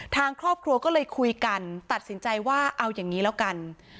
ทางครอบครัวก็เลยคุยกันตัดสินใจว่าเอาอย่างนี้แล้วกัน